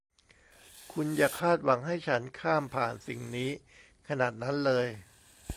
คุณอย่าคาดหวังให้ฉันข้ามผ่านสิ่งนี้ขนาดนั้นเลย